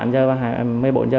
tám giờ một mươi bốn giờ